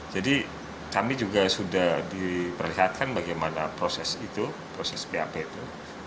jadi kami juga sudah diperlihatkan bagaimana proses itu proses pap itu